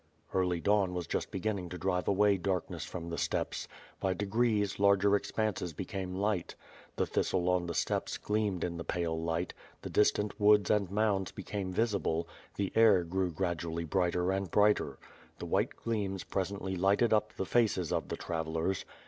Early dawn was just beginning to drive away darkness from the steppes. By degrees larger expanses became light. The thistle on the steppes gleamed in the pale light, the distant woods and mounds became visible; the air grew gradually brighter and brighter. The white gleams presently lighted up the faces of the travellers.